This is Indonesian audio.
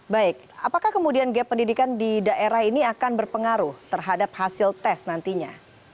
baik apakah kemudian gap pendidikan di daerah ini akan berpengaruh terhadap hasil tes nantinya